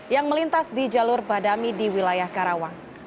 yang melintas di jalur badami di wilayah karawang